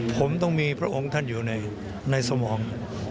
ผมต้องมีพระองค์ท่านอยู่ในสมอง